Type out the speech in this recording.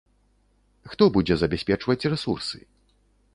Хто будзе забяспечваць рэсурсы?